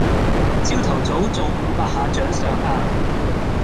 朝頭早做五百下掌上壓